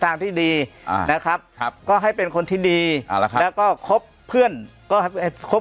ทางที่ดีนะครับก็ให้เป็นคนที่ดีแล้วก็ครบเพื่อนก็ครบ